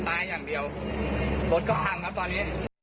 ก็เลยจะเลี้ยวเข้าไปรถมันก็ตกหลุม